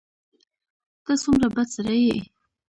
ته څومره بد سړی یې !